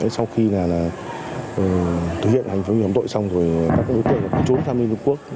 sau khi thực hiện hành phóng hợp tội xong các đối tượng trốn sang bên trung quốc